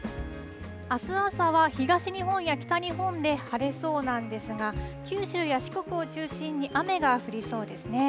あす朝は、東日本や北日本で晴れそうなんですが、九州や四国を中心に雨が降りそうですね。